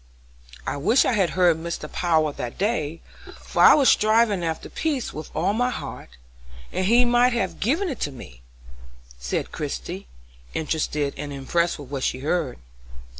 "I wish I had heard Mr. Power that day, for I was striving after peace with all my heart, and he might have given it to me," said Christie, interested and impressed with what she heard.